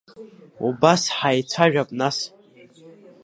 Убас ҳаицәажәап нас…